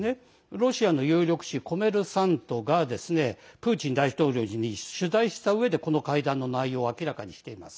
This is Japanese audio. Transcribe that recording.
ロシアの有力紙コメルサントがプーチン大統領に取材したうえでこの会談の内容を明らかにしています。